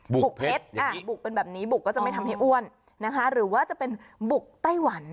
บุกเพชรบุกเป็นแบบนี้บุกก็จะไม่ทำให้อ้วนนะคะหรือว่าจะเป็นบุกไต้หวัน